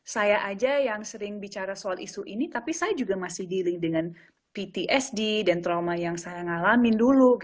saya aja yang sering bicara soal isu ini tapi saya juga masih dealing dengan ptsd dan trauma yang saya ngalamin dulu